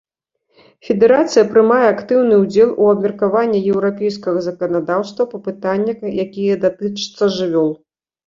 Федэрацыя прымае актыўны ўдзел у абмеркаванні еўрапейскага заканадаўства па пытаннях, якія датычацца жывёл.